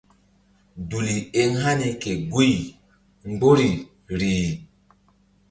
Duli eŋ hani ke guy mgbori rih.